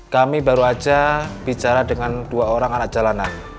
kami baru aja bicara dengan dua orang anak jalanan